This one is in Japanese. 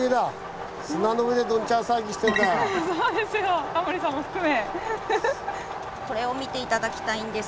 そうですよタモリさんも含め。